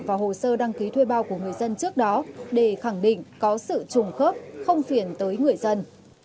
và hồ sơ đăng ký thuê bao của người dân trước đó để khẳng định có sự trùng khớp không phiền tới người dân